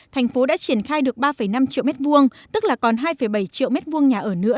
thành phố đã triển khai được ba năm triệu m hai tức là còn hai bảy triệu m hai nhà ở nữa